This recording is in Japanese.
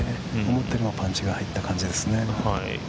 思ったよりもパンチが入った感じですね。